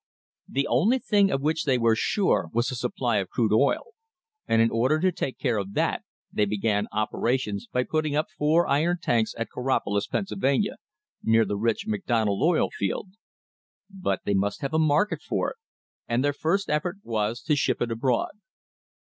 The only thing of which they were sure was a supply of crude oil, and in order to take care of that they began opera tions by putting up four iron tanks at Coraopolis, Pennsyl vania, near the rich McDonald oil field. But they must have a market for it, and their first effort was to ship it abroad.